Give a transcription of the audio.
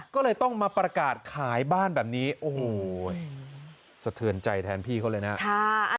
ก็เลยต้องมาประกาศขายบ้านแบบนี้โอ้โหสะเทือนใจแทนพี่เขาเลยนะ